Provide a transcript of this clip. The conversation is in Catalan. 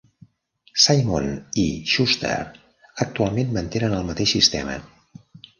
Simon i Schuster actualment mantenen el mateix sistema.